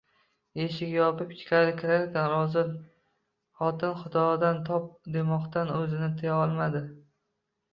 Eshigini yopib ichkari kirarkan: — Razil xotin, Xudodan top!-demoqdan o'zini tiya olmadi.